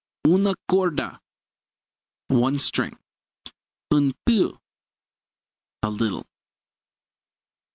Una corda one string. Un peu a little.